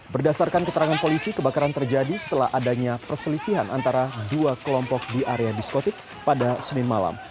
berdasarkan keterangan polisi kebakaran terjadi setelah adanya perselisihan antara dua kelompok di area diskotik pada senin malam